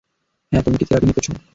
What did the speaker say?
হ্যাঁ তুমি কি থেরাপি নিতেছো?